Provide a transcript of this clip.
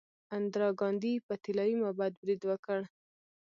اندرا ګاندي په طلایی معبد برید وکړ.